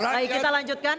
baik kita lanjutkan